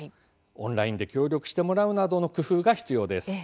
オンラインで協力してもらうなどの工夫が必要です。